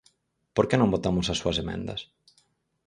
¿Por que non votamos as súas emendas?